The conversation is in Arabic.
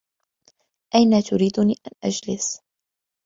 أين تريدني أن أجلس؟